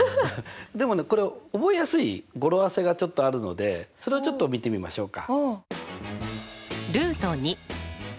でもねこれ覚えやすい語呂合わせがちょっとあるのでそれをちょっと見てみましょうか。